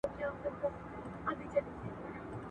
د مطالعې له لاري د خپل ذوق تنده ماته کړئ.